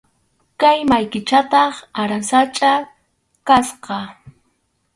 Kay mallkichataq aransachʼa kasqa.